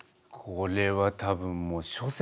これは多分もう諸説